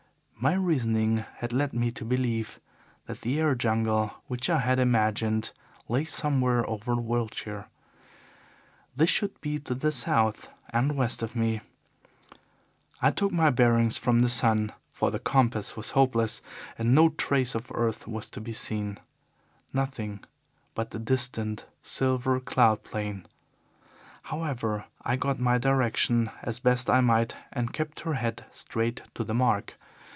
My reasoning had led me to believe that the air jungle which I had imagined lay somewhere over Wiltshire. This should be to the south and west of me. I took my bearings from the sun, for the compass was hopeless and no trace of earth was to be seen nothing but the distant, silver cloud plain. However, I got my direction as best I might and kept her head straight to the mark.